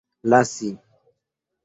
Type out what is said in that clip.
lasi